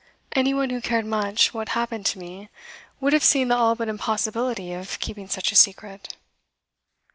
Any one who cared much what happened to me would have seen the all but impossibility of keeping such a secret.